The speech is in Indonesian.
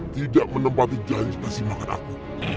tidak menempati janji kasih makan aku